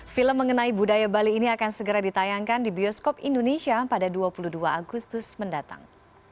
film mengenai budaya bali ini akan segera ditayangkan di bioskop indonesia pada dua puluh dua agustus mendatang